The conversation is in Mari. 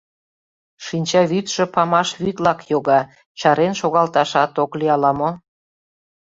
Шинчавӱдшӧ памаш вӱдлак йога, чарен шогалташат ок лий ала-мо.